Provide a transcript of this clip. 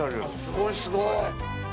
すごい、すごい。